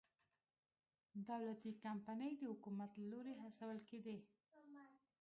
دولتي کمپنۍ د حکومت له لوري هڅول کېدې.